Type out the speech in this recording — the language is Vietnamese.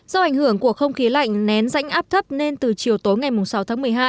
do ảnh hưởng của không khí lạnh nén rãnh áp thấp nên từ chiều tối ngày sáu tháng một mươi hai